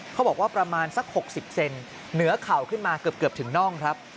เขาบอกว่าประมาณสัก๖๐เซนเหนือเข่าขึ้นมาเกือบถึงน่องครับ